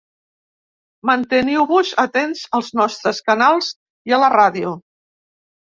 Manteniu-vos atents als nostres canals i a la ràdio.